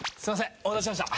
「お待たせしました」